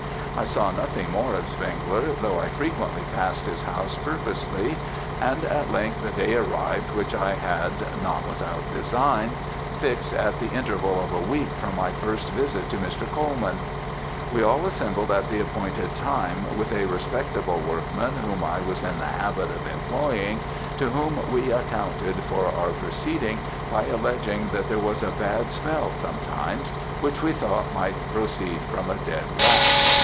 "'I saw nothing more of Zwengler, though I frequently passed his house purposely; and, at length, the day arrived which I had not without design fixed at the interval of a week from my first visit to Mr. Colman. We all assembled at the appointed time, with a respectable workman whom I was in the habit of employing, to whom we accounted for our proceeding, by alleging that there was a bad smell sometimes, which we thought might proceed from a dead rat.